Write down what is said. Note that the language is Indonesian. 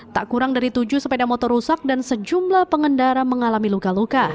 tak kurang dari tujuh sepeda motor rusak dan sejumlah pengendara mengalami luka luka